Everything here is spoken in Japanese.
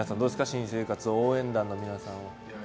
新生活応援団の皆さん。